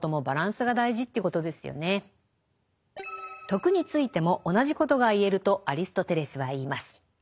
「徳」についても同じことが言えるとアリストテレスは言います。